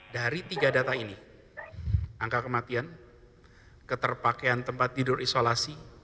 dari tiga data ini angka kematian keterpakaian tempat tidur isolasi